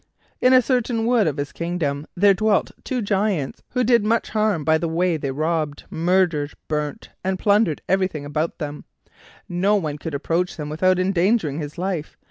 In a certain wood of his kingdom there dwelt two Giants who did much harm by the way they robbed, murdered, burnt, and plundered everything about them; "no one could approach them without endangering his life.